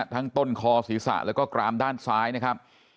ต้นคอศีรษะแล้วก็กรามด้านซ้ายนะครับ